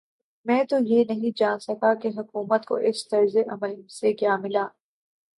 میں تو یہ نہیں جان سکا کہ حکومت کو اس طرز عمل سے کیا ملا؟